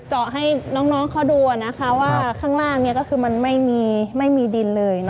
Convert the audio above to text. เจาะให้น้องเขาดูว่าข้างล่างก็คือมันไม่มีดินเลย